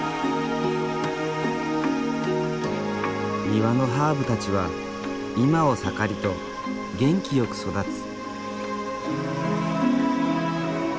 庭のハーブたちは今を盛りと元気よく育つ。